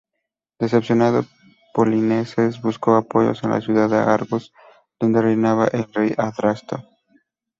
Decepcionado, Polinices buscó apoyos en la ciudad de Argos, donde reinaba el rey Adrasto.